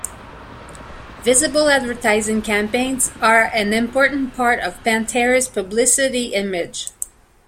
Visible advertising campaigns are an important part of Pantteri's publicity image.